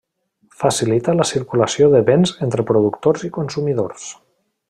Facilita la circulació de béns entre productors i consumidors.